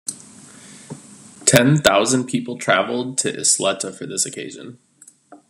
Ten thousand people traveled to Isleta for this occasion.